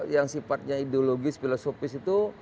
yang sifatnya ideologis filosofis itu